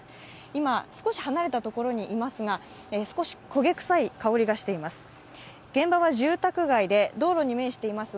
今、少し離れたところにいますが、少し焦げ臭い香りがしています。